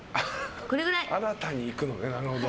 新たにいくのね、なるほど。